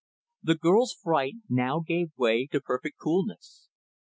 The girl's fright now gave way to perfect coolness.